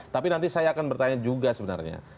tapi nanti saya akan bertanya juga sebenarnya